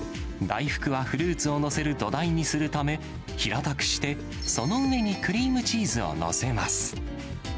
大福はフルーツを載せる土台にするため、平たくして、その上にクリームチーズを載せます。